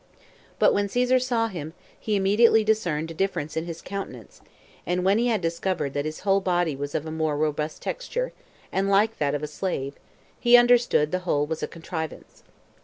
But when Caesar saw him, he immediately discerned a difference in his countenance; and when he had discovered that his whole body was of a more robust texture, and like that of a slave, he understood the whole was a contrivance.